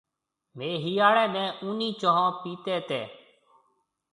ميه هِاڙي ۾ اونَي چونه پيتي تي۔